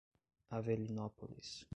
Avelinópolis